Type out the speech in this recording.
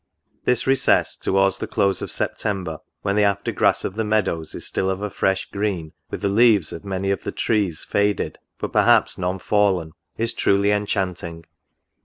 This recess, towards the close of September, when the after grass of the meadows is still of a fresh green, with the leaves of many of the trees NOTES. 45 faded, but perhaps none fallen, is truly enchanting.